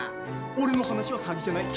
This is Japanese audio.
俺の話は詐欺じゃない。